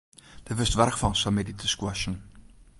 Dêr wurdst warch fan, sa'n middei te squashen.